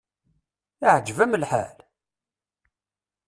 Iɛǧeb-am lḥal?